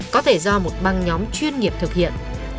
có thể do một băng nhóm chuyên nghiệp thực hiện